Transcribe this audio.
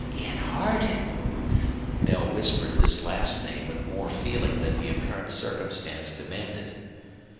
"An' Hardin." Knell whispered this last name with more feeling than the apparent circumstance demanded.